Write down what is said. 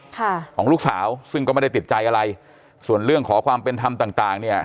ของลูกสาวซึ่งก็ไม่ได้ติดใจอะไรส่วนเรื่องขอความเป็นธรรมต่างต่างเนี่ย